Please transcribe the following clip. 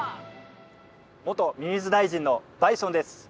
元ミミズ大臣のバイソンです